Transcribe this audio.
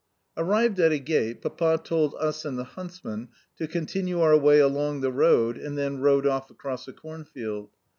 Arrived at a gate, Papa told us and the huntsmen to continue our way along the road, and then rode off across a cornfield.